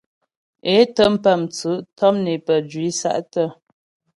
É tə́m pə́ mtsʉ' tɔm né pəjwǐ sa'tə́.